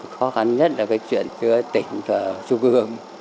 khó khăn nhất là cái chuyện giữa tỉnh trung ương